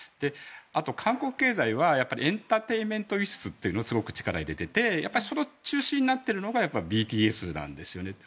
あと韓国経済はエンターテインメント輸出というのにすごく力を入れていてその中心になっているのがＢＴＳなんですよね。